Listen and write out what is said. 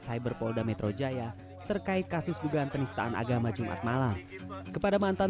cyber polda metro jaya terkait kasus dugaan penistaan agama jumat malam kepada mantan